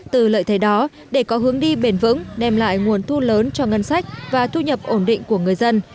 từ lợi thế đó để có hướng đi bền vững đem lại nguồn thu lớn cho ngân sách và thu nhập ổn định của người dân